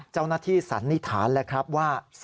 เจ้าหน้าที่สันนิษฐานแหละครับว่า